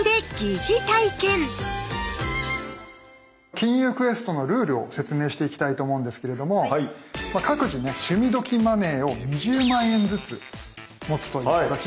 金融クエストのルールを説明していきたいと思うんですけれども各自ね趣味どきマネーを２０万円ずつ持つという形になります。